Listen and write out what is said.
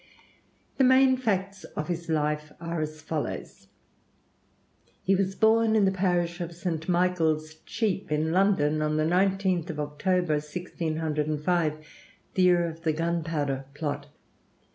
The main facts of his life are as follows. He was born in the Parish of St. Michael's Cheap, in London, on the 19th of October, 1605 (the year of the Gunpowder Plot).